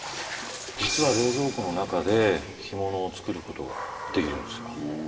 実は冷蔵庫の中で干物を作る事ができるんですよ。